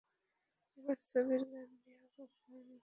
এবার ছবির গান নিয়ে অবাক হওয়ার মতো এক তথ্য জানিয়েছেন তিনি।